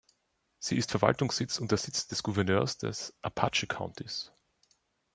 Sie ist Verwaltungssitz und der Sitz des Gouverneurs des Apache Countys.